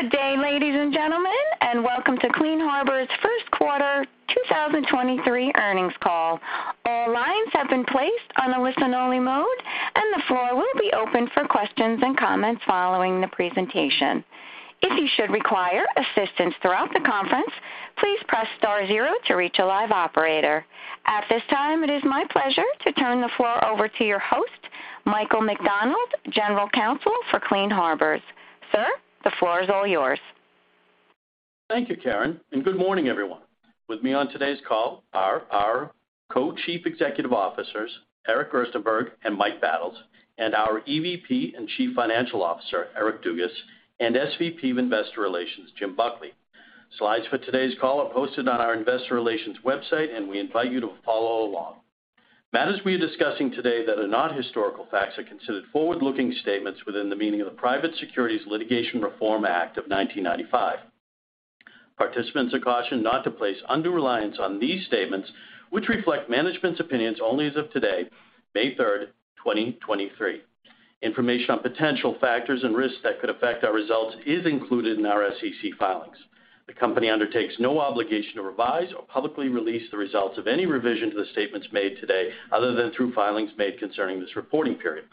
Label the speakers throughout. Speaker 1: Good day, ladies and gentlemen, welcome to Clean Harbors first quarter 2023 earnings call. All lines have been placed on a listen-only mode, the floor will be open for questions and comments following the presentation. If you should require assistance throughout the conference, please press star zero to reach a live operator. At this time, it is my pleasure to turn the floor over to your host, Michael McDonald, General Counsel for Clean Harbors. Sir, the floor is all yours.
Speaker 2: Thank you, Karen. Good morning, everyone. With me on today's call are our Co-Chief Executive Officers, Eric Gerstenberg and Mike Battles, and our EVP and Chief Financial Officer, Eric Dugas, and SVP of Investor Relations, Jim Buckley. Slides for today's call are posted on our Investor Relations website. We invite you to follow along. Matters we're discussing today that are not historical facts are considered forward-looking statements within the meaning of the Private Securities Litigation Reform Act of 1995. Participants are cautioned not to place undue reliance on these statements, which reflect management's opinions only as of today, May 3, 2023. Information on potential factors and risks that could affect our results is included in our SEC filings. The company undertakes no obligation to revise or publicly release the results of any revision to the statements made today other than through filings made concerning this reporting period.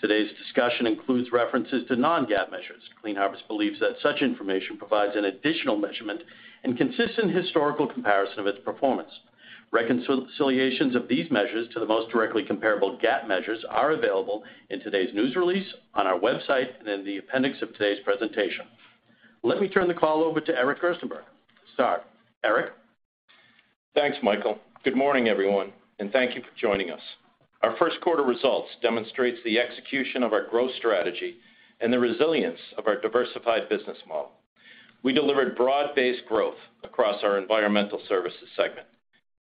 Speaker 2: Today's discussion includes references to Non-GAAP measures. Clean Harbors believes that such information provides an additional measurement and consistent historical comparison of its performance. Reconciliations of these measures to the most directly comparable GAAP measures are available in today's news release, on our website, and in the appendix of today's presentation. Let me turn the call over to Eric Gerstenberg to start. Eric?
Speaker 3: Thanks, Michael. Good morning, everyone, and thank you for joining us. Our first quarter results demonstrates the execution of our growth strategy and the resilience of our diversified business model. We delivered broad-based growth across our Environmental Services segment.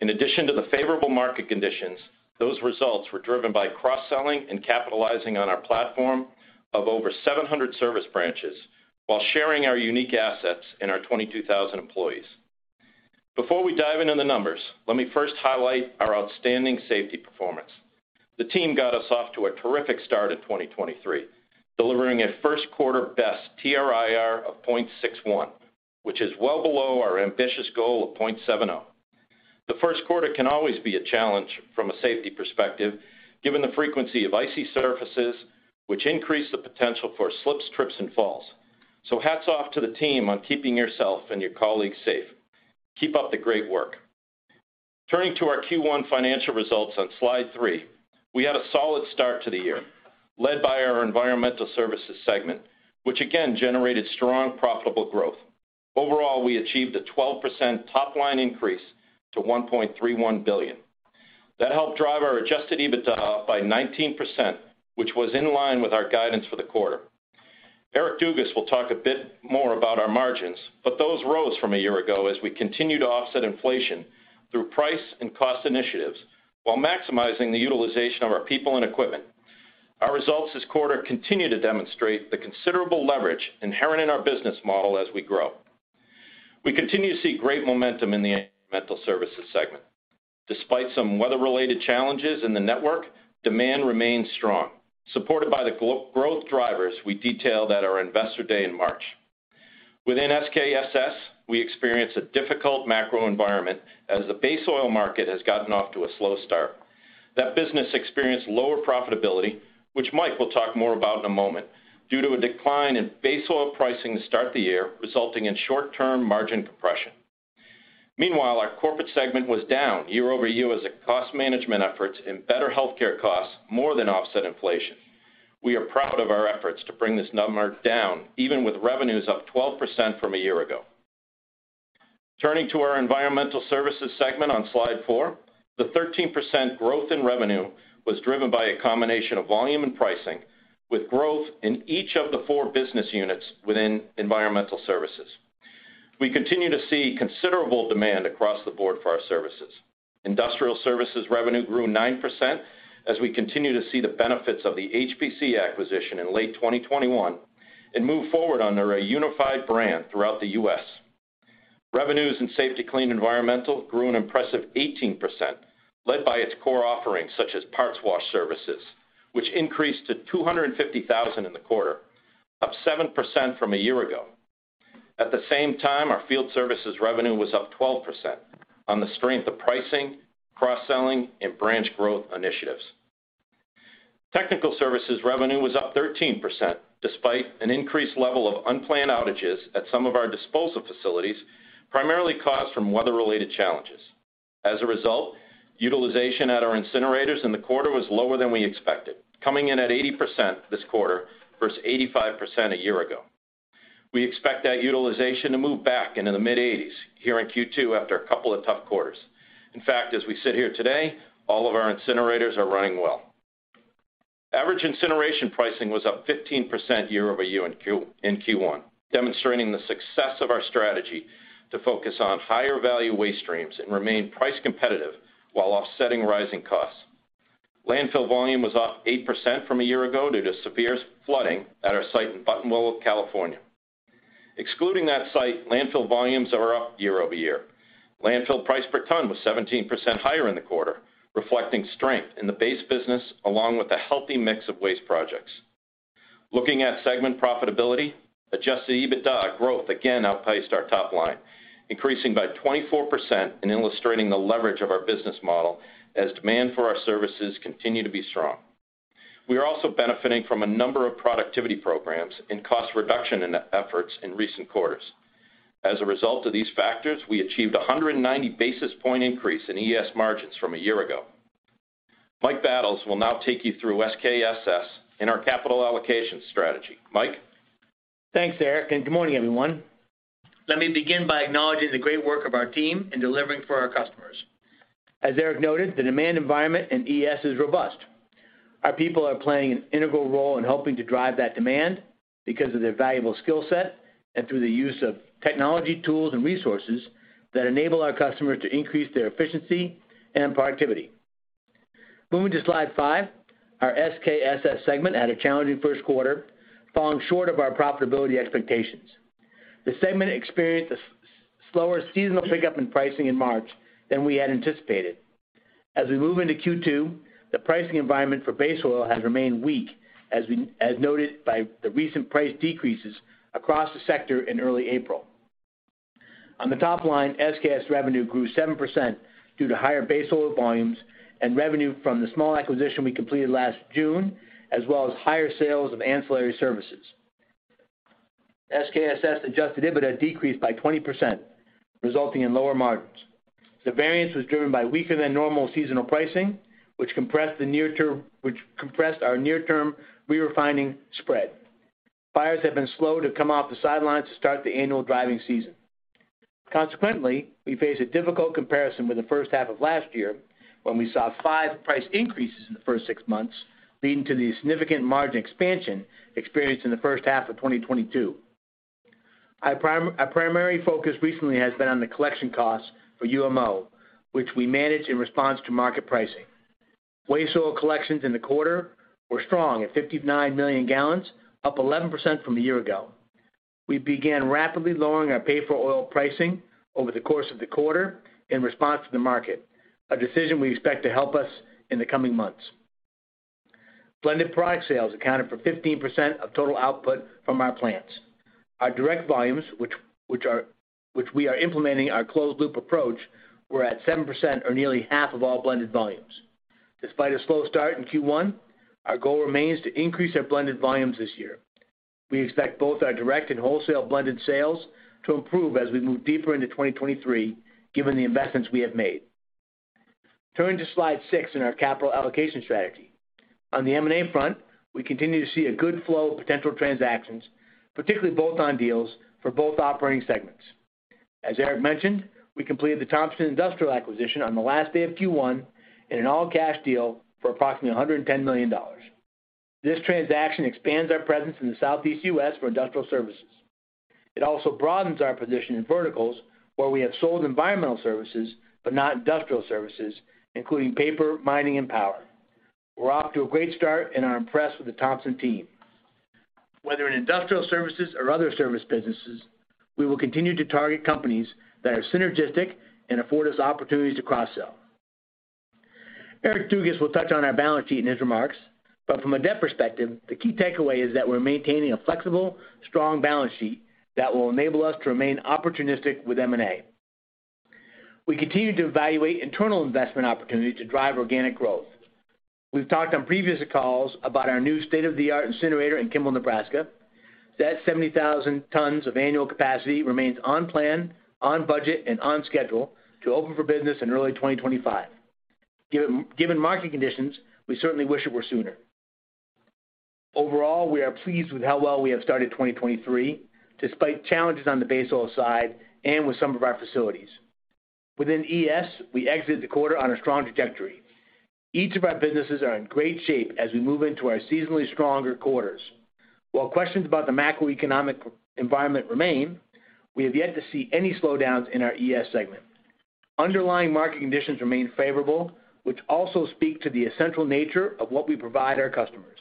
Speaker 3: In addition to the favorable market conditions, those results were driven by cross-selling and capitalizing on our platform of over 700 service branches while sharing our unique assets in our 22,000 employees. Before we dive into the numbers, let me first highlight our outstanding safety performance. The team got us off to a terrific start in 2023, delivering a first quarter best TRIR of 0.61, which is well below our ambitious goal of 0.70. The first quarter can always be a challenge from a safety perspective, given the frequency of icy surfaces, which increase the potential for slips, trips, and falls. Hats off to the team on keeping yourself and your colleagues safe. Keep up the great work. Turning to our Q1 financial results on slide three, we had a solid start to the year, led by our Environmental Services segment, which again generated strong, profitable growth. Overall, we achieved a 12% top line increase to $1.31 billion. That helped drive our Adjusted EBITDA up by 19%, which was in line with our guidance for the quarter. Eric Dugas will talk a bit more about our margins, but those rose from a year ago as we continue to offset inflation through price and cost initiatives while maximizing the utilization of our people and equipment. Our results this quarter continue to demonstrate the considerable leverage inherent in our business model as we grow. We continue to see great momentum in the Environmental Services segment. Despite some weather-related challenges in the network, demand remains strong, supported by the growth drivers we detailed at our Investor Day in March. Within SKSS, we experienced a difficult macro environment as the base oil market has gotten off to a slow start. That business experienced lower profitability, which Mike will talk more about in a moment, due to a decline in base oil pricing to start the year, resulting in short-term margin compression. Meanwhile, our corporate segment was down year-over-year as the cost management efforts and better healthcare costs more than offset inflation. We are proud of our efforts to bring this number down, even with revenues up 12% from a year ago. Turning to our Environmental Services segment on slide four, the 13% growth in revenue was driven by a combination of volume and pricing, with growth in each of the four business units within Environmental Services. We continue to see considerable demand across the board for our services. Industrial services revenue grew 9% as we continue to see the benefits of the HPC acquisition in late 2021 and move forward under a unified brand throughout the U.S. Revenues in Safety-Kleen Environmental grew an impressive 18%, led by its core offerings such as parts wash services, which increased to $250,000 in the quarter, up 7% from a year ago. At the same time, our field services revenue was up 12% on the strength of pricing, cross-selling, and branch growth initiatives. Technical services revenue was up 13% despite an increased level of unplanned outages at some of our disposal facilities, primarily caused from weather-related challenges. As a result, utilization at our incinerators in the quarter was lower than we expected, coming in at 80% this quarter versus 85% a year ago. We expect that utilization to move back into the mid-80s here in Q2 after a couple of tough quarters. In fact, as we sit here today, all of our incinerators are running well. Average incineration pricing was up 15% year-over-year in Q1, demonstrating the success of our strategy to focus on higher value waste streams and remain price competitive while offsetting rising costs. Landfill volume was up 8% from a year ago due to severe flooding at our site in Buttonwillow, California. Excluding that site, landfill volumes are up year-over-year. Landfill price per ton was 17% higher in the quarter, reflecting strength in the base business along with a healthy mix of waste projects. Looking at segment profitability, Adjusted EBITDA growth again outpaced our top line, increasing by 24% and illustrating the leverage of our business model as demand for our services continue to be strong. We are also benefiting from a number of productivity programs and cost reduction efforts in recent quarters. As a result of these factors, we achieved a 190 basis point increase in ES margins from a year ago. Mike Battles will now take you through SKSS in our capital allocation strategy. Mike?
Speaker 4: Thanks, Eric. Good morning, everyone. Let me begin by acknowledging the great work of our team in delivering for our customers. As Eric noted, the demand environment in ES is robust. Our people are playing an integral role in helping to drive that demand because of their valuable skill set and through the use of technology tools and resources that enable our customers to increase their efficiency and productivity. Moving to slide five, our SKSS segment had a challenging first quarter, falling short of our profitability expectations. The segment experienced a slower seasonal pickup in pricing in March than we had anticipated. As we move into Q2, the pricing environment for base oil has remained weak, as noted by the recent price decreases across the sector in early April. On the top line, SKSS revenue grew 7% due to higher base oil volumes and revenue from the small acquisition we completed last June, as well as higher sales of ancillary services. SKSS Adjusted EBITDA decreased by 20%, resulting in lower margins. The variance was driven by weaker than normal seasonal pricing, which compressed our near-term re-refining spread. Buyers have been slow to come off the sidelines to start the annual driving season. We face a difficult comparison with the first half of last year when we saw five price increases in the first six months, leading to the significant margin expansion experienced in the first half of 2022. Our primary focus recently has been on the collection costs for UMO, which we manage in response to market pricing. Waste oil collections in the quarter were strong at 59 million gallons, up 11% from a year ago. We began rapidly lowering our pay for oil pricing over the course of the quarter in response to the market, a decision we expect to help us in the coming months. Blended product sales accounted for 15% of total output from our plants. Our direct volumes, which we are implementing our closed loop approach, were at 7% or nearly 1/2 of all blended volumes. Despite a slow start in Q1, our goal remains to increase our blended volumes this year. We expect both our direct and wholesale blended sales to improve as we move deeper into 2023, given the investments we have made. Turning to slide six in our capital allocation strategy. On the M&A front, we continue to see a good flow of potential transactions, particularly bolt-on deals for both operating segments. As Eric mentioned, we completed the Thompson Industrial acquisition on the last day of Q1 in an all-cash deal for approximately $110 million. This transaction expands our presence in the Southeast U.S. for industrial services. It also broadens our position in verticals where we have sold environmental services, but not industrial services, including paper, mining, and power. We're off to a great start and are impressed with the Thompson team. Whether in industrial services or other service businesses, we will continue to target companies that are synergistic and afford us opportunities to cross-sell. Eric Dugas will touch on our balance sheet in his remarks. From a debt perspective, the key takeaway is that we're maintaining a flexible, strong balance sheet that will enable us to remain opportunistic with M&A. We continue to evaluate internal investment opportunities to drive organic growth. We've talked on previous calls about our new state-of-the-art incinerator in Kimball, Nebraska. That 70,000 tons of annual capacity remains on plan, on budget, and on schedule to open for business in early 2025. Given market conditions, we certainly wish it were sooner. Overall, we are pleased with how well we have started 2023, despite challenges on the base oil side and with some of our facilities. Within ES, we exited the quarter on a strong trajectory. Each of our businesses are in great shape as we move into our seasonally stronger quarters. While questions about the macroeconomic environment remain, we have yet to see any slowdowns in our ES segment. Underlying market conditions remain favorable, which also speak to the essential nature of what we provide our customers.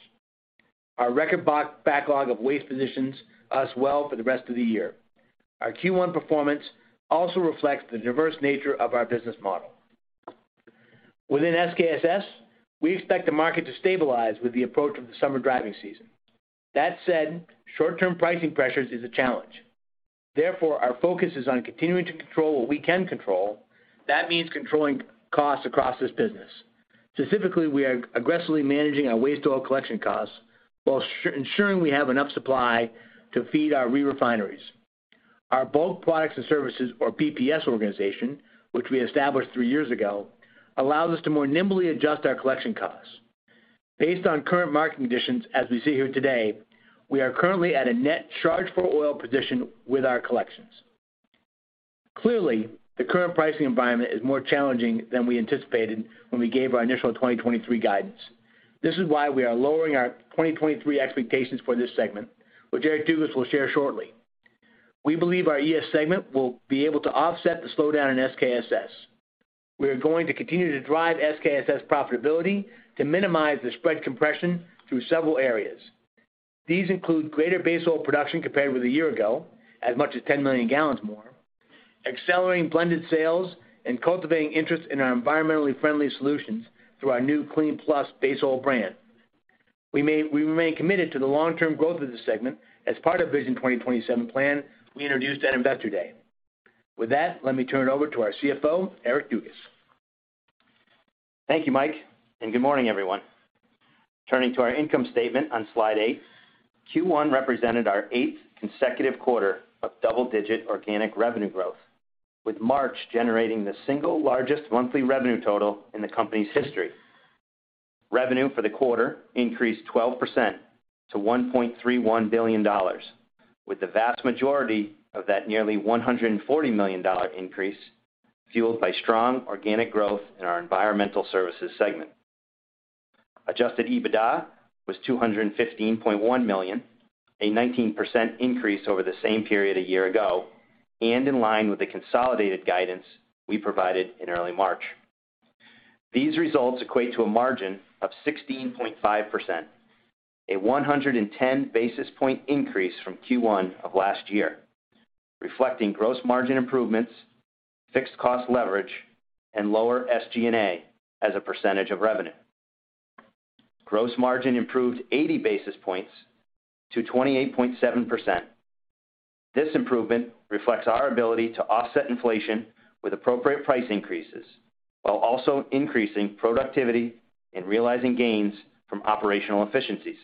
Speaker 4: Our record backlog of waste positions us well for the rest of the year. Our Q1 performance also reflects the diverse nature of our business model. Within SKSS, we expect the market to stabilize with the approach of the summer driving season. That said, short-term pricing pressures is a challenge. Therefore, our focus is on continuing to control what we can control. That means controlling costs across this business. Specifically, we are aggressively managing our waste oil collection costs while ensuring we have enough supply to feed our re-refineries. Our Bulk Products and Services, or BPS organization, which we established three years ago, allows us to more nimbly adjust our collection costs. Based on current market conditions, as we see here today, we are currently at a net charge for oil position with our collections. The current pricing environment is more challenging than we anticipated when we gave our initial 2023 guidance. This is why we are lowering our 2023 expectations for this segment, which Eric Dugas will share shortly. We believe our ES segment will be able to offset the slowdown in SKSS. We are going to continue to drive SKSS profitability to minimize the spread compression through several areas. These include greater base oil production compared with a year ago, as much as 10 million gallons more, accelerating blended sales, and cultivating interest in our environmentally friendly solutions through our new Clean Plus base oil brand. We remain committed to the long-term growth of this segment as part of Vision 2027 plan we introduced at Investor Day. With that, let me turn it over to our CFO, Eric Dugas.
Speaker 5: Thank you, Mike, and good morning, everyone. Turning to our income statement on slide eight. Q1 represented our eighth consecutive quarter of double-digit organic revenue growth, with March generating the single largest monthly revenue total in the company's history. Revenue for the quarter increased 12% to $1.31 billion. With the vast majority of that nearly $140 million increase fueled by strong organic growth in our environmental services segment. Adjusted EBITDA was $215.1 million, a 19% increase over the same period a year ago, and in line with the consolidated guidance we provided in early March. These results equate to a margin of 16.5%, a 110 basis point increase from Q1 of last year, reflecting gross margin improvements, fixed cost leverage, and lower SG&A as a % of revenue. Gross margin improved 80 basis points to 28.7%. This improvement reflects our ability to offset inflation with appropriate price increases while also increasing productivity and realizing gains from operational efficiencies.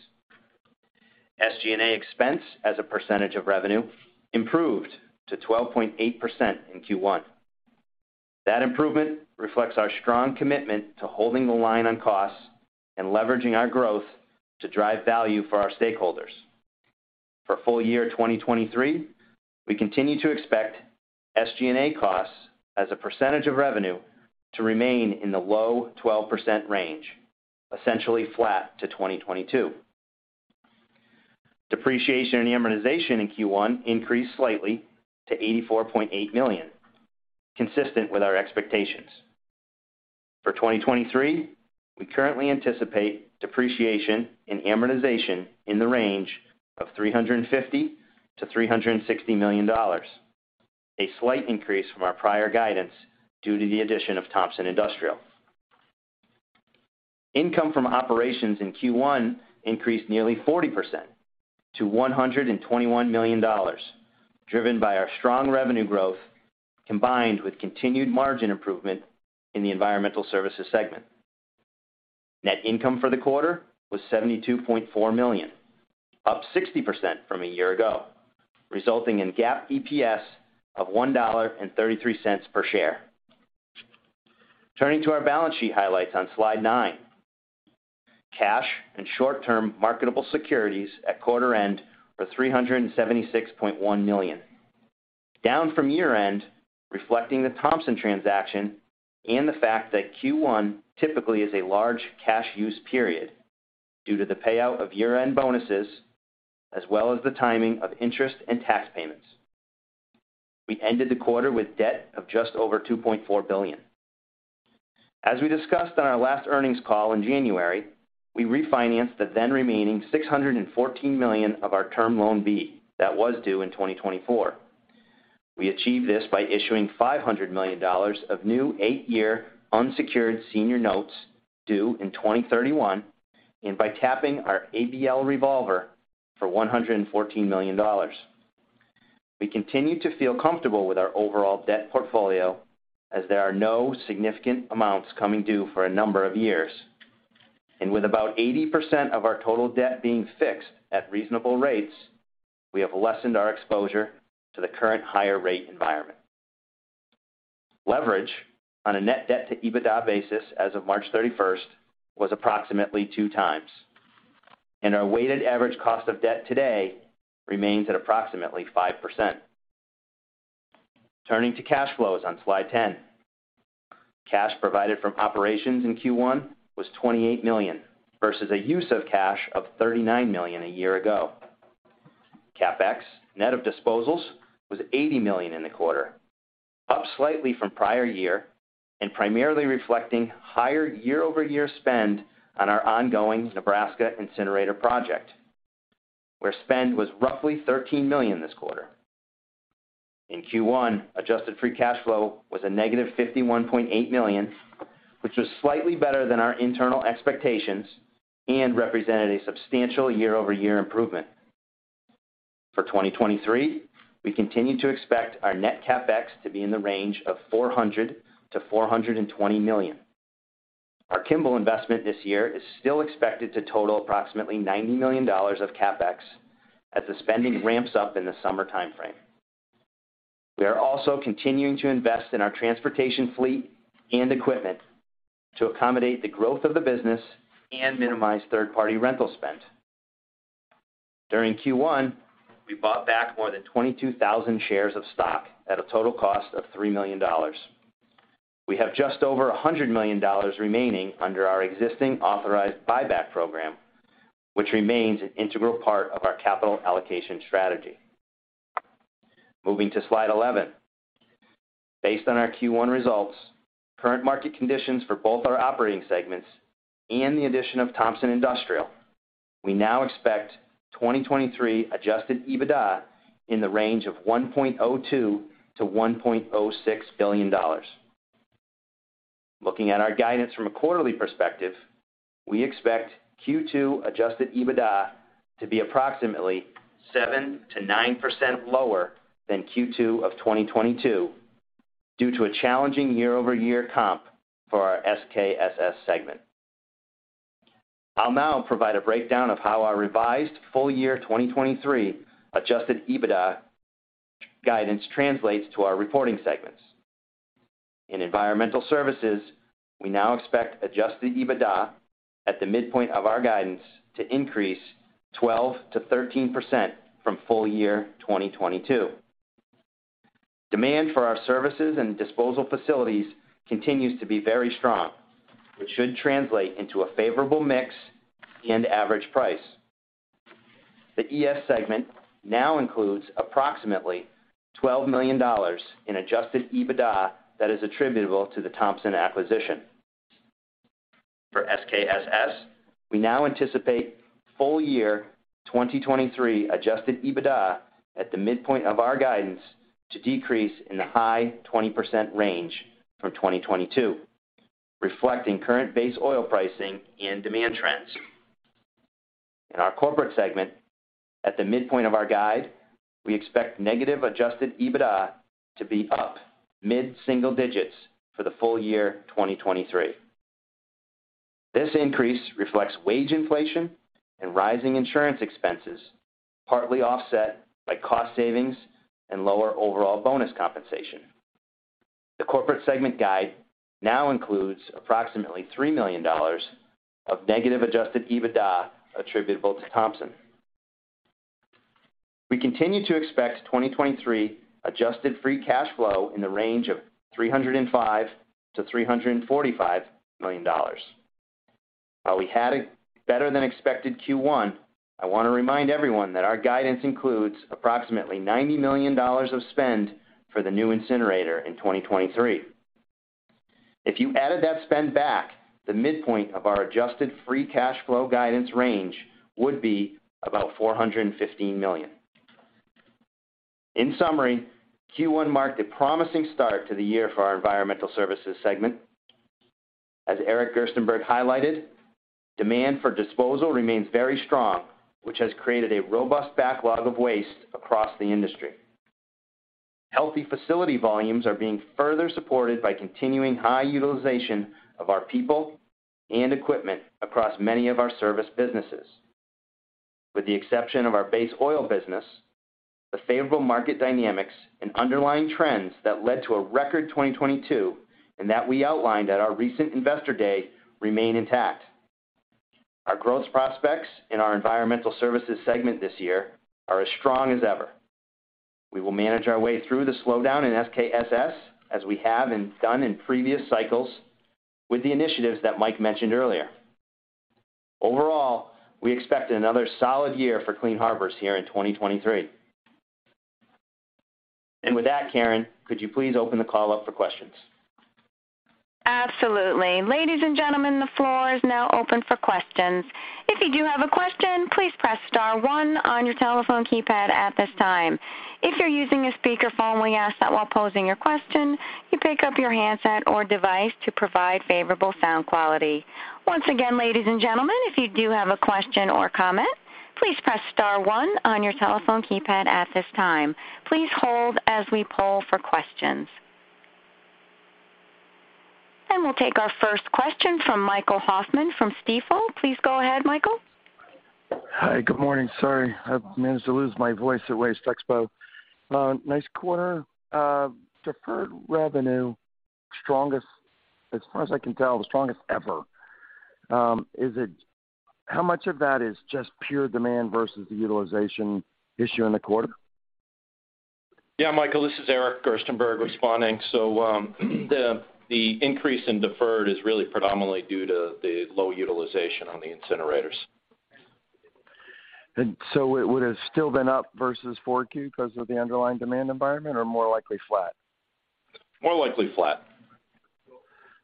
Speaker 5: SG&A expense as a % of revenue improved to 12.8% in Q1. The improvement reflects our strong commitment to holding the line on costs and leveraging our growth to drive value for our stakeholders. For full year 2023, we continue to expect SG&A costs as a % of revenue to remain in the low 12% range, essentially flat to 2022. Depreciation and amortization in Q1 increased slightly to $84.8 million, consistent with our expectations. For 2023, we currently anticipate depreciation and amortization in the range of $350 million-$360 million, a slight increase from our prior guidance due to the addition of Thompson Industrial. Income from operations in Q1 increased nearly 40% to $121 million, driven by our strong revenue growth, combined with continued margin improvement in the environmental services segment. Net income for the quarter was $72.4 million, up 60% from a year ago, resulting in GAAP EPS of $1.33 per share. Turning to our balance sheet highlights on slide nine. Cash and short-term marketable securities at quarter end were $376.1 million, down from year-end, reflecting the Thompson transaction and the fact that Q1 typically is a large cash use period due to the payout of year-end bonuses as well as the timing of interest and tax payments. We ended the quarter with debt of just over $2.4 billion. As we discussed on our last earnings call in January, we refinanced the then remaining $614 million of our Term Loan B that was due in 2024. We achieved this by issuing $500 million of new eight-year unsecured senior notes due in 2031 and by tapping our ABL revolver for $114 million. We continue to feel comfortable with our overall debt portfolio as there are no significant amounts coming due for a number of years. With about 80% of our total debt being fixed at reasonable rates, we have lessened our exposure to the current higher rate environment. Leverage on a net debt to EBITDA basis as of March 31st was approximately two times, and our weighted average cost of debt today remains at approximately 5%. Turning to cash flows on slide 10. Cash provided from operations in Q1 was $28 million versus a use of cash of $39 million a year ago. CapEx, net of disposals, was $80 million in the quarter, up slightly from prior year and primarily reflecting higher year-over-year spend on our ongoing Nebraska incinerator project, where spend was roughly $13 million this quarter. In Q1, adjusted free cash flow was a negative $51.8 million, which was slightly better than our internal expectations and represented a substantial year-over-year improvement. For 2023, we continue to expect our net CapEx to be in the range of $400 million-$420 million. Our Kimball investment this year is still expected to total approximately $90 million of CapEx as the spending ramps up in the summer timeframe. We are also continuing to invest in our transportation fleet and equipment to accommodate the growth of the business and minimize third-party rental spend. During Q1, we bought back more than 22,000 shares of stock at a total cost of $3 million. We have just over $100 million remaining under our existing authorized buyback program, which remains an integral part of our capital allocation strategy. Moving to slide 11. Based on our Q1 results, current market conditions for both our operating segments and the addition of Thompson Industrial, we now expect 2023 Adjusted EBITDA in the range of $1.02 billion-$1.06 billion. Looking at our guidance from a quarterly perspective, we expect Q2 Adjusted EBITDA to be approximately 7%-9% lower than Q2 of 2022 due to a challenging year-over-year comp for our SKSS segment. I'll now provide a breakdown of how our revised full year 2023 Adjusted EBITDA guidance translates to our reporting segments. In environmental services, we now expect Adjusted EBITDA at the midpoint of our guidance to increase 12%-13% from full year 2022. Demand for our services and disposal facilities continues to be very strong, which should translate into a favorable mix and average price. The ES segment now includes approximately $12 million in Adjusted EBITDA that is attributable to the Thompson acquisition. For SKSS, we now anticipate full year 2023 Adjusted EBITDA at the midpoint of our guidance to decrease in the high 20% range from 2022, reflecting current base oil pricing and demand trends. In our corporate segment, at the midpoint of our guide, we expect negative Adjusted EBITDA to be up mid-single digits for the full year 2023. This increase reflects wage inflation and rising insurance expenses, partly offset by cost savings and lower overall bonus compensation. The corporate segment guide now includes approximately $3 million of negative Adjusted EBITDA attributable to Thompson. We continue to expect 2023 adjusted free cash flow in the range of $305 million-$345 million. While we had a better than expected Q1, I want to remind everyone that our guidance includes approximately $90 million of spend for the new incinerator in 2023. If you added that spend back, the midpoint of our adjusted free cash flow guidance range would be about $415 million. In summary, Q1 marked a promising start to the year for our environmental services segment. As Eric Gerstenberg highlighted, demand for disposal remains very strong, which has created a robust backlog of waste across the industry. Healthy facility volumes are being further supported by continuing high utilization of our people and equipment across many of our service businesses. With the exception of our base oil business, the favorable market dynamics and underlying trends that led to a record 2022, and that we outlined at our recent Investor Day remain intact. Our growth prospects in our environmental services segment this year are as strong as ever. We will manage our way through the slowdown in SKSS, as we have and done in previous cycles, with the initiatives that Mike mentioned earlier. Overall, we expect another solid year for Clean Harbors here in 2023. With that, Karen, could you please open the call up for questions?
Speaker 1: Absolutely. Ladies and gentlemen, the floor is now open for questions. We'll take our first question from Michael Hoffman from Stifel. Please go ahead, Michael.
Speaker 6: Hi. Good morning. Sorry. I managed to lose my voice at WasteExpo. Nice quarter. Deferred revenue, strongest, as far as I can tell, the strongest ever. How much of that is just pure demand versus the utilization issue in the quarter?
Speaker 3: Michael, this is Eric Gerstenberg responding. The increase in deferred is really predominantly due to the low utilization on the incinerators.
Speaker 6: it would have still been up versus 4Q because of the underlying demand environment, or more likely flat?
Speaker 3: More likely flat.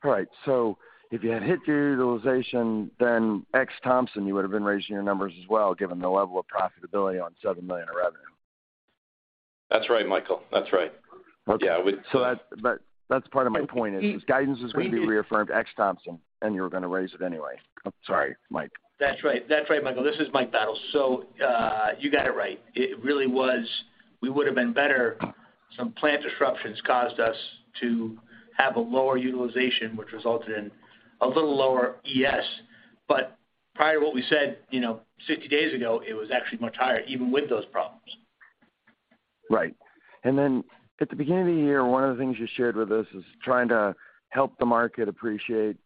Speaker 6: All right. If you had hit your utilization, then ex Thompson, you would have been raising your numbers as well, given the level of profitability on $7 million of revenue.
Speaker 3: That's right, Michael. That's right.
Speaker 6: Okay.
Speaker 3: Yeah.
Speaker 6: That's part of my point is guidance is going to be reaffirmed ex Thompson, and you were gonna raise it anyway.
Speaker 3: Sorry, Mike.
Speaker 4: That's right. That's right, Michael. This is Mike Battles. you got it right. It really was. We would have been better. Some plant disruptions caused us to have a lower utilization, which resulted in a little lower ES. Prior to what we said, you know, 60 days ago, it was actually much higher even with those problems.
Speaker 6: Right. At the beginning of the year, one of the things you shared with us is trying to help the market appreciate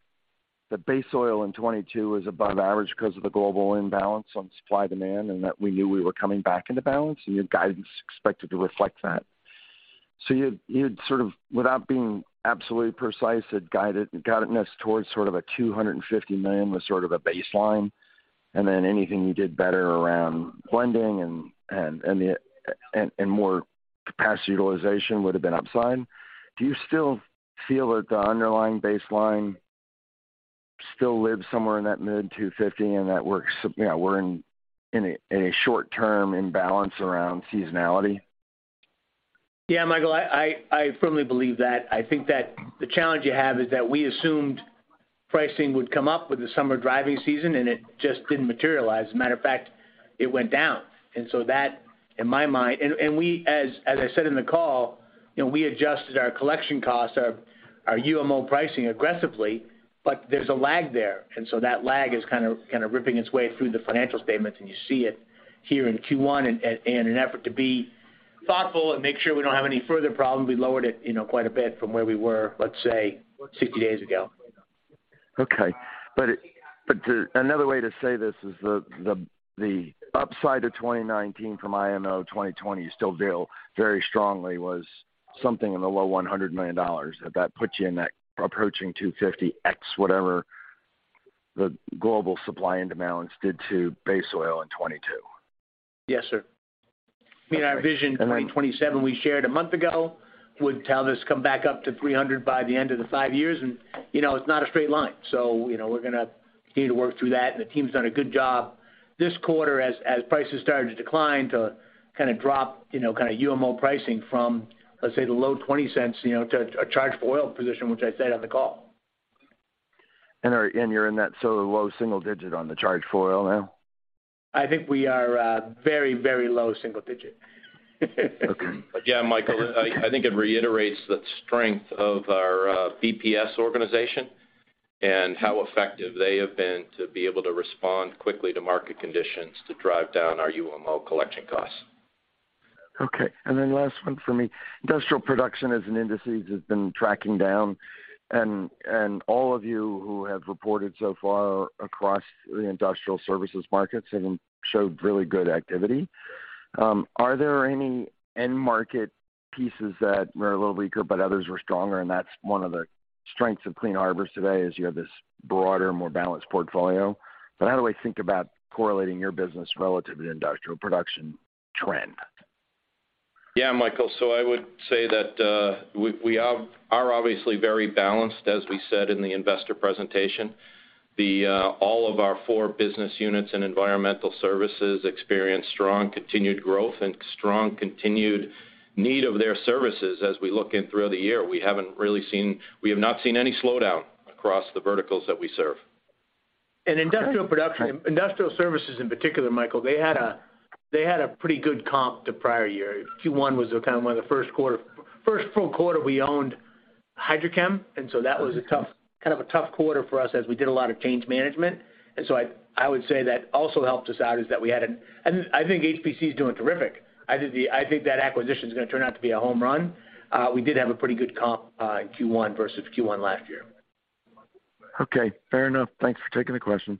Speaker 6: that base oil in 2022 was above average because of the global imbalance on supply/demand, and that we knew we were coming back into balance, and your guidance expected to reflect that. You'd sort of, without being absolutely precise, had guided us towards sort of a $250 million was sort of a baseline, and then anything you did better around blending and more capacity utilization would have been upside. Do you still feel that the underlying baseline still lives somewhere in that mid-$250 and that we're, you know, we're in a short term imbalance around seasonality?
Speaker 4: Yeah, Michael, I firmly believe that. I think that the challenge you have is that we assumed pricing would come up with the summer driving season, and it just didn't materialize. Matter of fact, it went down. That in my mind. We-- as I said in the call, you know, we adjusted our collection costs, our UMO pricing aggressively, but there's a lag there. That lag is kind of ripping its way through the financial statements, and you see it here in Q1. In an effort to be thoughtful and make sure we don't have any further problems, we lowered it, you know, quite a bit from where we were, let's say, 60 days ago.
Speaker 6: Okay. Another way to say this is the upside to 2019 from IMO 2020 still very strongly was something in the low $100 million. That puts you in that approaching 250x whatever the global supply and demands did to base oil in 2022.
Speaker 4: Yes, sir. I mean, our Vision 2027 we shared a month ago would have this come back up to 300 by the end of the five years. You know, it's not a straight line. You know, we're going to continue to work through that. The team's done a good job this quarter as prices started to decline to kind of drop, you know, kind of UMO pricing from, let's say, the low $0.20, you know, to a charged oil position, which I said on the call.
Speaker 6: You're in that sort of low single digit on the charge for oil now?
Speaker 4: I think we are, very low single digit.
Speaker 6: Okay.
Speaker 3: Yeah, Michael, I think it reiterates the strength of our BPS organization and how effective they have been to be able to respond quickly to market conditions to drive down our UMO collection costs.
Speaker 6: Last one for me. Industrial production as an indices has been tracking down. All of you who have reported so far across the industrial services markets have showed really good activity. Are there any end market pieces that were a little weaker but others were stronger, and that's one of the strengths of Clean Harbors today is you have this broader, more balanced portfolio? How do I think about correlating your business relative to industrial production trend?
Speaker 3: Michael. I would say that we are obviously very balanced, as we said in the investor presentation. All of our four business units and environmental services experience strong continued growth and strong continued need of their services as we look in through the year. We have not seen any slowdown across the verticals that we serve.
Speaker 4: Industrial production, industrial services in particular, Michael, they had a pretty good comp the prior year. Q1 was kind of one of the first full quarter we owned Hydrokem. That was a tough, kind of a tough quarter for us as we did a lot of change management. I would say that also helped us out, is that we had. I think HPC is doing terrific. I think that acquisition is gonna turn out to be a home run. We did have a pretty good comp in Q1 versus Q1 last year.
Speaker 6: Okay, fair enough. Thanks for taking the questions.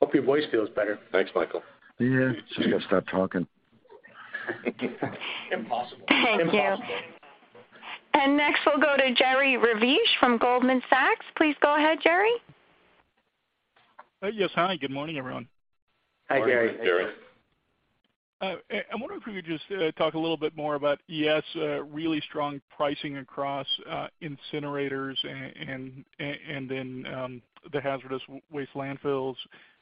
Speaker 3: Hope your voice feels better. Thanks, Michael.
Speaker 6: Yeah. Just gotta stop talking.
Speaker 4: Impossible.
Speaker 1: Thank you.
Speaker 4: Impossible.
Speaker 1: next we'll go to Jerry Revich from Goldman Sachs. Please go ahead, Jerry.
Speaker 7: Yes. Hi, good morning, everyone.
Speaker 4: Hi, Jerry.
Speaker 3: Morning, Jerry.
Speaker 7: I wonder if we could just talk a little bit more about ES, really strong pricing across incinerators and then the hazardous waste landfills.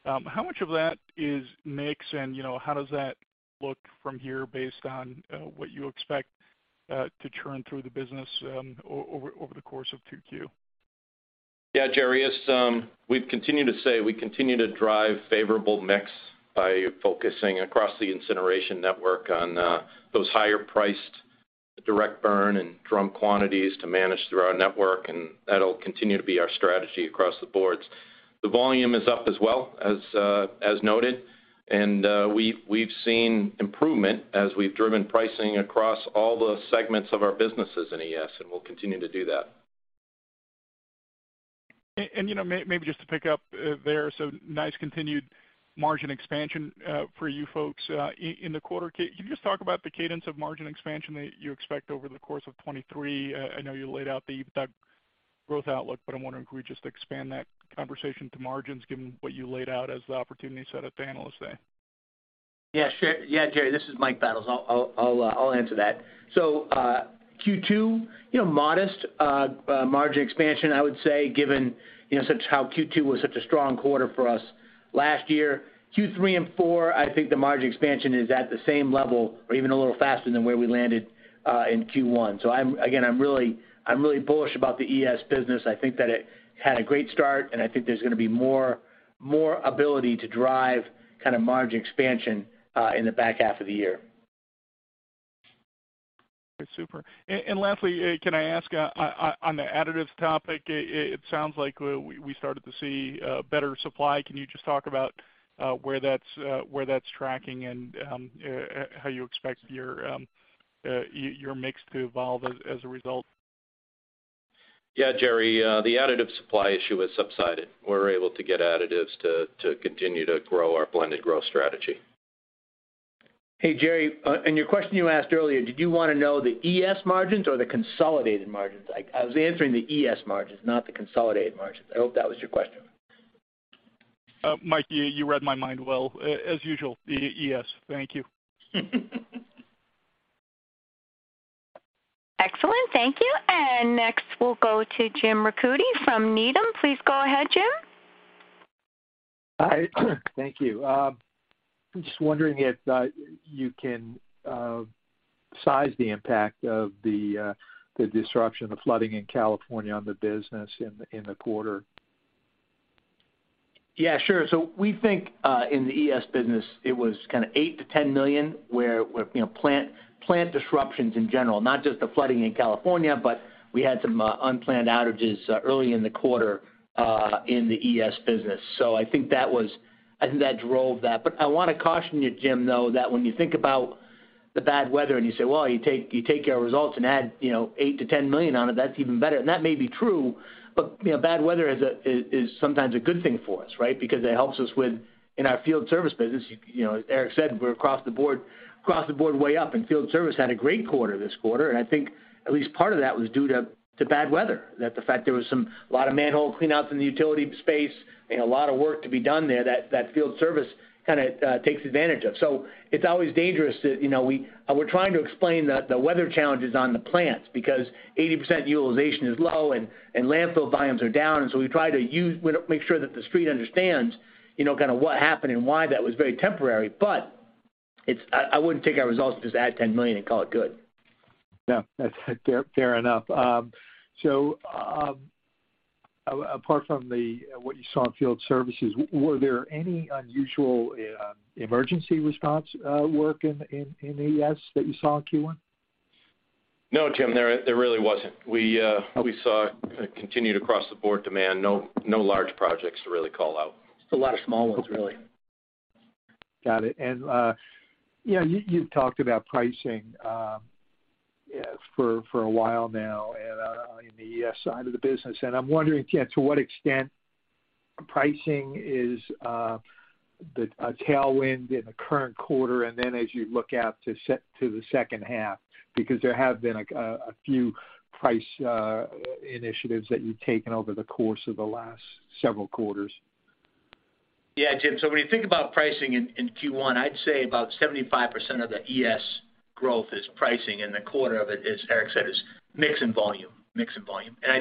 Speaker 7: How much of that is mix? You know, how does that look from here based on what you expect to churn through the business over the course of two Q?
Speaker 3: Yeah, Jerry. We've continued to say we continue to drive favorable mix by focusing across the incineration network on those higher priced direct burn and drum quantities to manage through our network, and that'll continue to be our strategy across the boards. The volume is up as well as noted. We've seen improvement as we've driven pricing across all the segments of our businesses in ES, and we'll continue to do that.
Speaker 7: You know, maybe just to pick up, there, so nice continued margin expansion, for you folks, in the quarter. Can you just talk about the cadence of margin expansion that you expect over the course of 2023? I know you laid out the EBITDA growth outlook, but I'm wondering could we just expand that conversation to margins given what you laid out as the opportunity set at the analyst day?
Speaker 4: Yeah, sure. Yeah, Jerry, this is Mike Battles. I'll answer that. Q2, you know, modest margin expansion, I would say, given, you know, such how Q2 was such a strong quarter for us last year. Q3 and four, I think the margin expansion is at the same level or even a little faster than where we landed in Q1. I'm again, I'm really bullish about the ES business. I think that it had a great start, and I think there's gonna be more ability to drive kind of margin expansion in the back half of the year.
Speaker 7: Okay, super. Lastly, can I ask, on the additives topic, it sounds like we started to see better supply. Can you just talk about where that's tracking and how you expect your mix to evolve as a result?
Speaker 3: Yeah, Jerry, the additive supply issue has subsided. We're able to get additives to continue to grow our blended growth strategy.
Speaker 4: Hey, Jerry, your question you asked earlier, did you want to know the ES margins or the consolidated margins? I was answering the ES margins, not the consolidated margins. I hope that was your question.
Speaker 7: Mike, you read my mind well, as usual, the ES. Thank you.
Speaker 1: Excellent. Thank you. Next, we'll go to Jim Ricchiuti from Needham. Please go ahead, Jim.
Speaker 8: Hi. Thank you. Just wondering if you can size the impact of the disruption, the flooding in California on the business in the quarter?
Speaker 4: Yeah, sure. We think in the ES business, it was kinda $8 million-$10 million, where, you know, plant disruptions in general, not just the flooding in California, but we had some unplanned outages early in the quarter in the ES business. I think that drove that. I wanna caution you, Jim, though, that when you think about the bad weather and you say, "Well, you take your results and add, you know, $8 million-$10 million on it, that's even better." That may be true, but, you know, bad weather is sometimes a good thing for us, right? Because it helps us with in our field service business, you know, as Eric said, we're across the board, way up. Field service had a great quarter this quarter, and I think at least part of that was due to bad weather. The fact there was a lot of manhole cleanups in the utility space and a lot of work to be done there, that field service takes advantage of. It's always dangerous to, you know. We're trying to explain the weather challenges on the plants because 80% utilization is low and landfill volumes are down, we make sure that The Street understands what happened and why that was very temporary. I wouldn't take our results and just add $10 million and call it good.
Speaker 8: No, that's fair enough. Apart from the, what you saw in field services, were there any unusual, emergency response, work in ES that you saw in Q1?
Speaker 3: No, Jim, there really wasn't. We saw a continued across-the-board demand, no large projects to really call out.
Speaker 4: Just a lot of small ones, really.
Speaker 8: Got it. you know, you talked about pricing for a while now and in the ES side of the business. I'm wondering, yeah, to what extent pricing is a tailwind in the current quarter and then as you look out to the second half, because there have been, like, a few price initiatives that you've taken over the course of the last several quarters.
Speaker 4: Yeah, Jim. When you think about pricing in Q1, I'd say about 75% of the ES growth is pricing, and a quarter of it is, as Eric said, is mix and volume. Mix and volume. I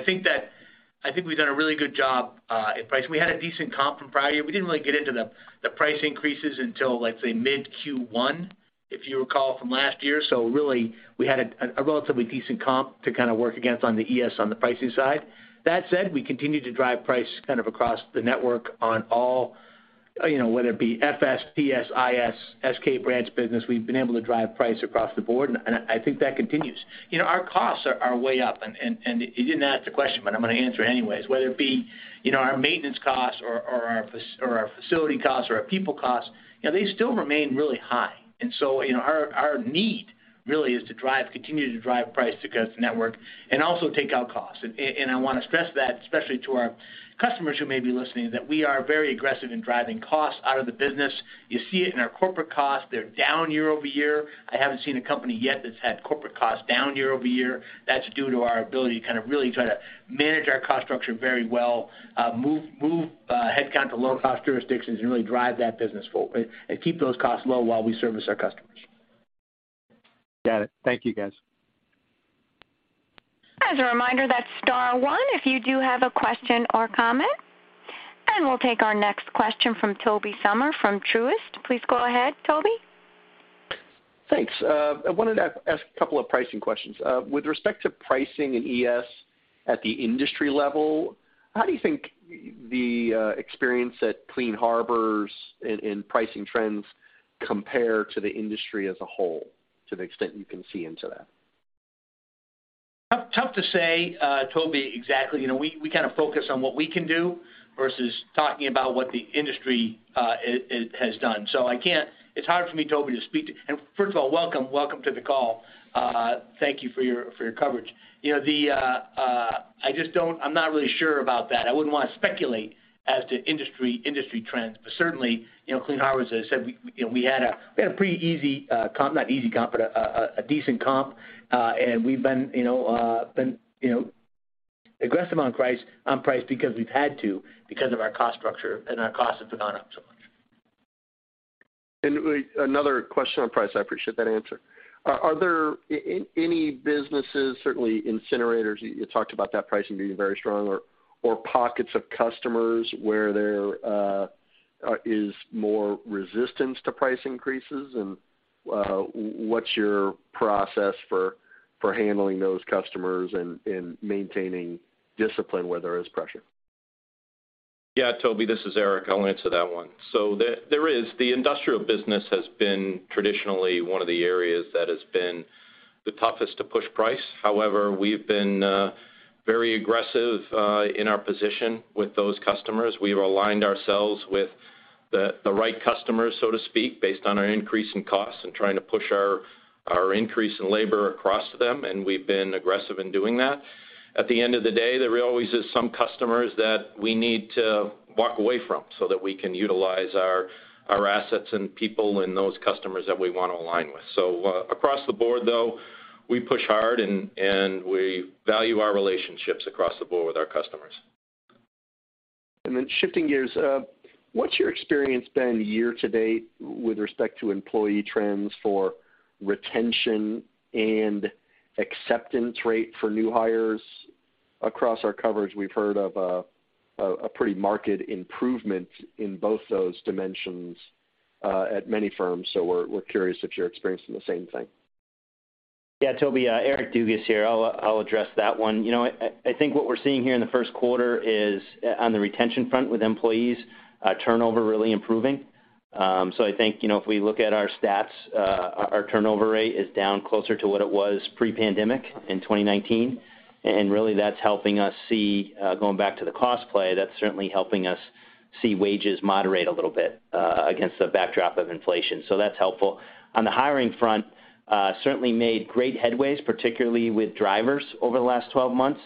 Speaker 4: think we've done a really good job at pricing. We had a decent comp from prior year. We didn't really get into the price increases until, let’s say, mid-Q1, if you recall from last year. Really, we had a relatively decent comp to kinda work against on the ES on the pricing side. That said, we continued to drive price kind of across the network on all, you know, whether it be FS, PS, IS, SK Brands business. We’ve been able to drive price across the board, and I think that continues. You know, our costs are way up. You didn't ask the question, but I'm gonna answer anyways. Whether it be, you know, our maintenance costs or our facility costs, or our people costs, you know, they still remain really high. You know, our need really is to drive, continue to drive price across the network and also take out costs. I wanna stress that, especially to our customers who may be listening, that we are very aggressive in driving costs out of the business. You see it in our corporate costs. They're down year-over-year. I haven't seen a company yet that's had corporate costs down year-over-year. That's due to our ability to kind of really try to manage our cost structure very well, move headcount to low-cost jurisdictions and really drive that business and keep those costs low while we service our customers.
Speaker 8: Got it. Thank you, guys.
Speaker 1: As a reminder, that's star one if you do have a question or comment. We'll take our next question from Tobey Sommer from Truist. Please go ahead, Tobey.
Speaker 9: Thanks. I wanted to ask a couple of pricing questions. With respect to pricing in ES at the industry level, how do you think the experience at Clean Harbors and pricing trends compare to the industry as a whole to the extent you can see into that?
Speaker 4: Tough to say, Tobey, exactly. You know, we kinda focus on what we can do versus talking about what the industry it has done. I can't. It's hard for me, Tobey, to speak to. First of all, welcome. Welcome to the call. Thank you for your coverage. You know, I'm not really sure about that. I wouldn't wanna speculate as to industry trends. Certainly, you know, Clean Harbors, as I said, we had a pretty easy comp, not easy comp, but a decent comp. We've been, you know, aggressive on price because we've had to because of our cost structure and our costs have gone up so much.
Speaker 9: Another question on price. I appreciate that answer. Are there any businesses, certainly incinerators, you talked about that pricing being very strong or pockets of customers where there is more resistance to price increases? What's your process for handling those customers and maintaining discipline where there is pressure?
Speaker 3: Yeah, Tobey, this is Eric. I'll answer that one. There is. The industrial business has been traditionally one of the areas that has been the toughest to push price. However, we've been very aggressive in our position with those customers. We've aligned ourselves with the right customers, so to speak, based on our increase in costs and trying to push our increase in labor across to them, and we've been aggressive in doing that. At the end of the day, there always is some customers that we need to walk away from so that we can utilize our assets and people and those customers that we wanna align with. Across the board, though, we push hard and we value our relationships across the board with our customers.
Speaker 9: Shifting gears, what's your experience been year-to-date with respect to employee trends for retention and acceptance rate for new hires? Across our coverage, we've heard of a pretty marked improvement in both those dimensions, at many firms, so we're curious if you're experiencing the same thing.
Speaker 5: Yeah, Tobey, Eric Dugas here. I'll address that one. You know what? I think what we're seeing here in the first quarter is on the retention front with employees, turnover really improving. I think, you know, if we look at our stats, our turnover rate is down closer to what it was pre-pandemic in 2019. Really that's helping us see, going back to the cost play, that's certainly helping us see wages moderate a little bit, against the backdrop of inflation. That's helpful. On the hiring front, certainly made great headways, particularly with drivers over the last 12 months,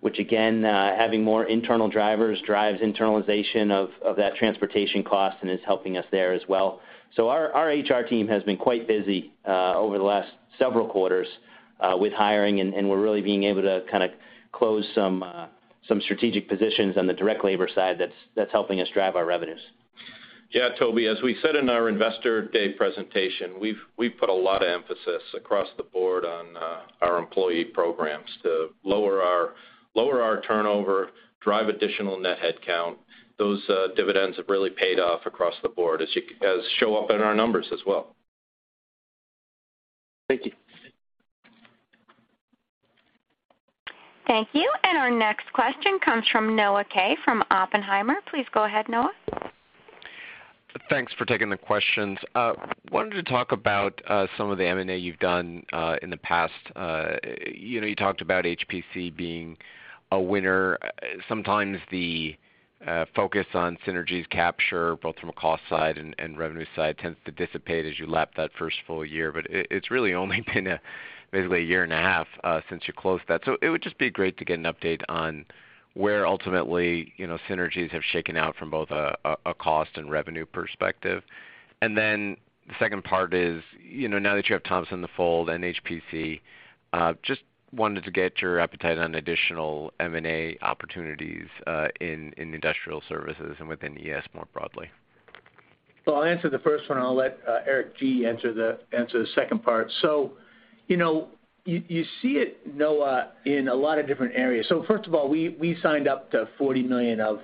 Speaker 5: which again, having more internal drivers drives internalization of that transportation cost and is helping us there as well. Our HR team has been quite busy over the last several quarters with hiring, and we're really being able to kinda close some strategic positions on the direct labor side that's helping us drive our revenues.
Speaker 3: Yeah, Tobey, as we said in our Investor Day presentation, we've put a lot of emphasis across the board on our employee programs to lower our turnover, drive additional net headcount. Those dividends have really paid off across the board as show up in our numbers as well.
Speaker 9: Thank you.
Speaker 1: Thank you. Our next question comes from Noah Kaye from Oppenheimer. Please go ahead, Noah.
Speaker 10: Thanks for taking the questions. wanted to talk about some of the M&A you've done in the past. you know, you talked about HPC being a winner. Sometimes the focus on synergies capture, both from a cost side and revenue side, tends to dissipate as you lap that first full year, but it's really only been basically a year and a half since you closed that. It would just be great to get an update on where ultimately, you know, synergies have shaken out from both a cost and revenue perspective. The second part is, you know, now that you have Thompson Industrial in the fold and HPC, just wanted to get your appetite on additional M&A opportunities in industrial services and within ES more broadly.
Speaker 4: I'll answer the first one, and I'll let Eric G. answer the second part. You know, you see it, Noah, in a lot of different areas. First of all, we signed up to $40 million of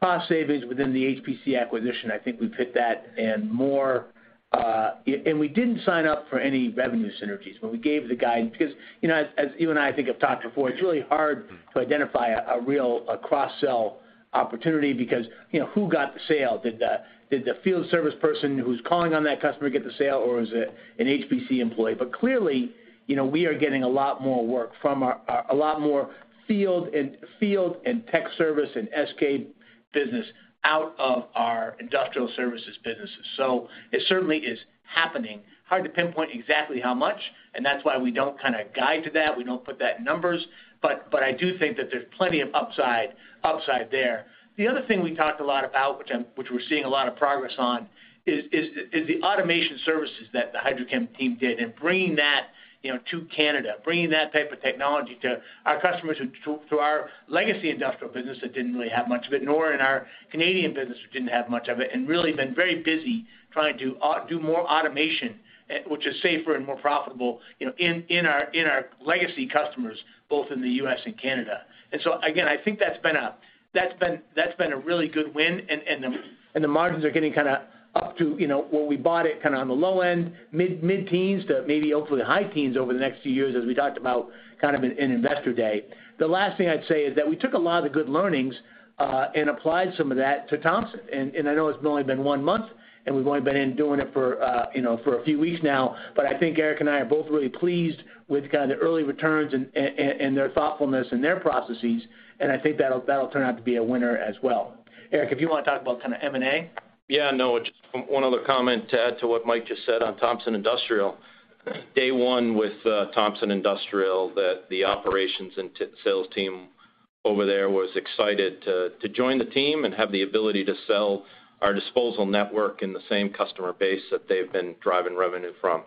Speaker 4: cost savings within the HPC acquisition. I think we've hit that and more. And we didn't sign up for any revenue synergies, but we gave the guidance because, you know, as you and I think have talked before, it's really hard to identify a cross-sell opportunity because, you know, who got the sale? Did the field service person who's calling on that customer get the sale, or was it an HPC employee? Clearly, you know, we are getting a lot more work from our a lot more field and tech service and SK business out of our industrial services businesses. It certainly is happening. Hard to pinpoint exactly how much, and that's why we don't kinda guide to that. We don't put that in numbers. I do think that there's plenty of upside there. The other thing we talked a lot about, which we're seeing a lot of progress on is the automation services that the Hydrokem team did, and bringing that, you know, to Canada, bringing that type of technology to our customers to our legacy industrial business that didn't really have much of it, nor in our Canadian business, which didn't have much of it, and really been very busy trying to do more automation, which is safer and more profitable, you know, in our legacy customers, both in the U.S. and Canada. Again, I think that's been a really good win, and the margins are getting kinda up to, you know, where we bought it kinda on the low end, mid-teens to maybe hopefully high teens over the next few years, as we talked about kind of in Investor Day. The last thing I'd say is that we took a lot of the good learnings and applied some of that to Thompson. I know it's only been one month, and we've only been in doing it for, you know, for a few weeks now, but I think Eric and I are both really pleased with kind of the early returns and their thoughtfulness and their processes, and I think that'll turn out to be a winner as well. Eric, if you wanna talk about kinda M&A.
Speaker 3: Noah, just one other comment to add to what Mike just said on Thompson Industrial. Day one with Thompson Industrial that the operations and sales team over there was excited to join the team and have the ability to sell our disposal network in the same customer base that they've been driving revenue from.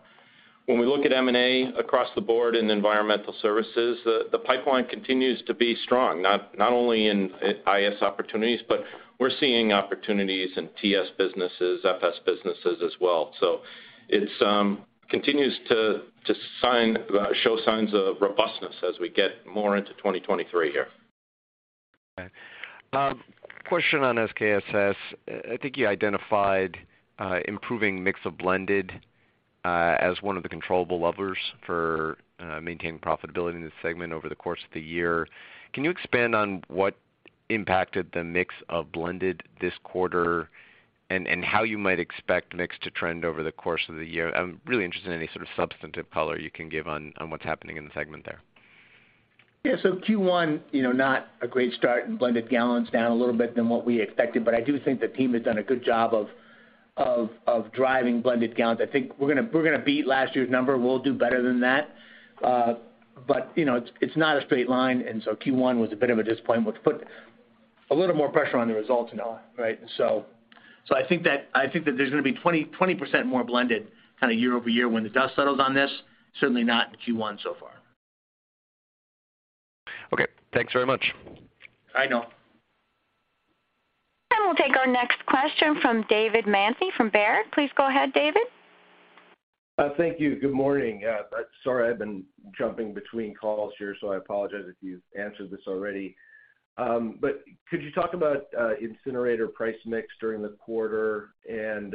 Speaker 3: When we look at M&A across the board in environmental services, the pipeline continues to be strong, not only in IS opportunities, but we're seeing opportunities in TS businesses, FS businesses as well. It continues to show signs of robustness as we get more into 2023 here.
Speaker 10: Okay. Question on SKSS. I think you identified improving mix of blended as one of the controllable levers for maintaining profitability in this segment over the course of the year. Can you expand on what impacted the mix of blended this quarter and how you might expect mix to trend over the course of the year? I'm really interested in any sort of substantive color you can give on what's happening in the segment there.
Speaker 4: Yeah. Q1, you know, not a great start in blended gallons, down a little bit than what we expected, but I do think the team has done a good job of driving blended gallons. I think we're gonna beat last year's number. We'll do better than that. You know, it's not a straight line, and so Q1 was a bit of a disappointment. Put a little more pressure on the results now, right? I think that there's gonna be 20% more blended kinda year-over-year when the dust settles on this, certainly not in Q1 so far.
Speaker 11: Okay. Thanks very much.
Speaker 4: Bye, Noah.
Speaker 1: We'll take our next question from David Manthey from Baird. Please go ahead, David.
Speaker 12: Thank you. Good morning. Sorry, I've been jumping between calls here, so I apologize if you've answered this already. Could you talk about incinerator price mix during the quarter and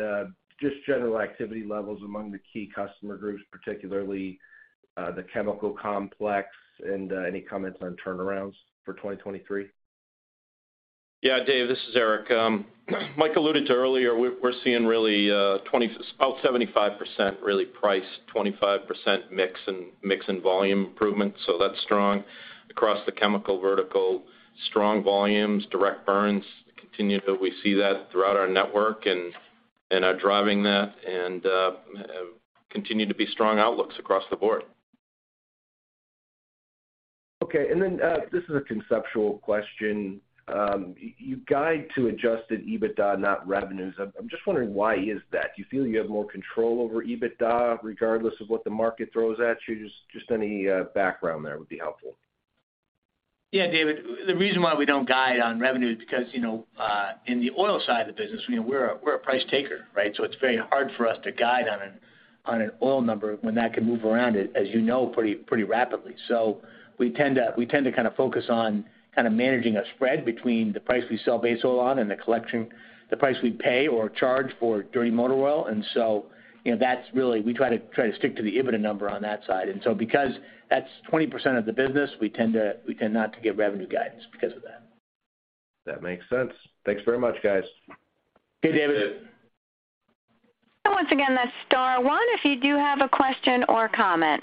Speaker 12: just general activity levels among the key customer groups, particularly the chemical complex, and any comments on turnarounds for 2023?
Speaker 3: Yeah. Dave, this is Eric. Mike alluded to earlier, we're seeing really, about 75% really price, 25% mix and volume improvement, that's strong. Across the chemical vertical, strong volumes. Direct burns continue to, we see that throughout our network and are driving that and continue to be strong outlooks across the board.
Speaker 12: Okay. This is a conceptual question. You guide to Adjusted EBITDA, not revenues. I'm just wondering why is that? Do you feel you have more control over EBITDA regardless of what the market throws at you? Just any background there would be helpful.
Speaker 4: David Manthey. The reason why we don't guide on revenue is because, you know, in the oil side of the business, you know, we're a price taker, right? It's very hard for us to guide on an oil number when that can move around as you know pretty rapidly. We tend to kinda focus on kinda managing a spread between the price we sell base oil on and the collection, the price we pay or charge for dirty motor oil. You know, that's really, we try to stick to the EBITDA number on that side. Because that's 20% of the business, we tend not to give revenue guidance because of that.
Speaker 12: That makes sense. Thanks very much, guys.
Speaker 4: Okay, David.
Speaker 3: Thanks, David.
Speaker 1: Once again, that's star one if you do have a question or comment.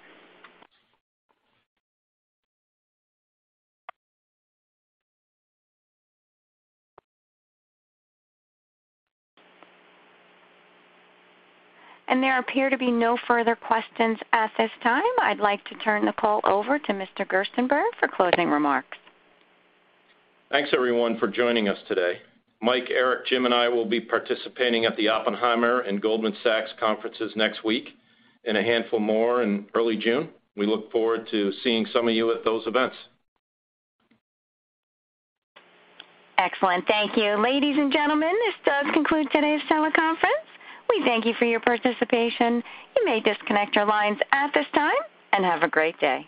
Speaker 1: There appear to be no further questions at this time. I'd like to turn the call over to Mr. Gerstenberg for closing remarks.
Speaker 3: Thanks, everyone, for joining us today. Mike, Eric, Jim, and I will be participating at the Oppenheimer and Goldman Sachs conferences next week and a handful more in early June. We look forward to seeing some of you at those events.
Speaker 1: Excellent. Thank you. Ladies and gentlemen, this does conclude today's teleconference. We thank you for your participation. You may disconnect your lines at this time, and have a great day.